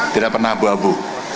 tidak pernah abu abu